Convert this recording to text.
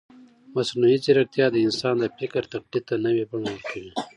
مصنوعي ځیرکتیا د انسان د فکر تقلید ته نوې بڼه ورکوي.